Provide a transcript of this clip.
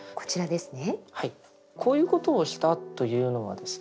こういうことをしたというのがですね